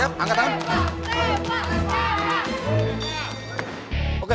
apa yang ini